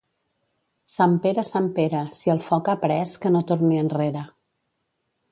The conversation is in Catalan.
Sant Pere, Sant Pere, si el foc ha pres, que no torni enrere.